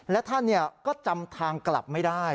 และท่านก็จำทางกลับไม่ได้